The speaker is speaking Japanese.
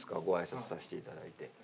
ご挨拶させていただいて。